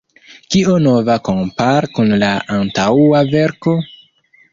Kio nova kompare kun la antaŭa verko?